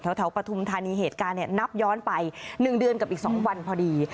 ปฐุมธานีเหตุการณ์นับย้อนไป๑เดือนกับอีก๒วันพอดี